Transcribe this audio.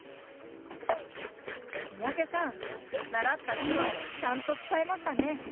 三宅さん習った手話をちゃんと使えましたね。